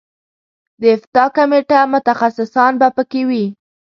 د افتا کمیټه متخصصان به په کې وي.